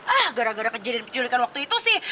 ah gara gara kejadian penculikan waktu itu sih